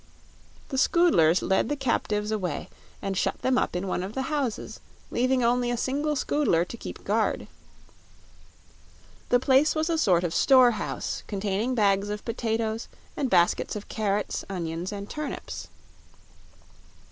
The Scoodlers led the captives away and shut them up in one of the houses, leaving only a single Scoodler to keep guard. The place was a sort of store house; containing bags of potatoes and baskets of carrots, onions and turnips.